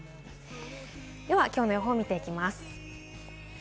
きょうの予報を見ていきます。